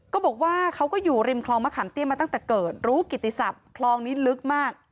ก็บอกว่าเขาก็อยู่ริมคลองมะขามเตี้ยมาตั้งแต่เกิดรู้กิติศัพท์คลองนี้ลึกมาก